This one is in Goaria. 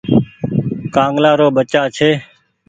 ڪآنگلآ رو بچآ ڇي۔